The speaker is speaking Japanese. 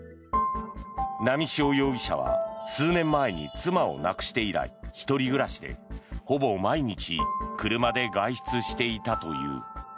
波汐容疑者は、数年前に妻を亡くして以来１人暮らしでほぼ毎日車で外出していたという。